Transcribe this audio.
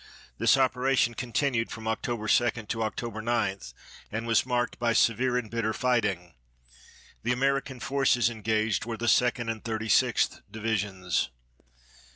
This operation continued from October 2 to October 9 and was marked by severe and bitter fighting. The American forces engaged were the Second and Thirty sixth Divisions.